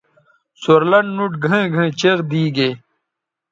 سور لنڈ نُوٹ گھئیں گھئیں چیغ دیگے